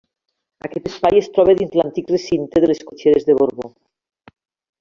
Aquest espai es troba dins l'antic recinte de les cotxeres de Borbó.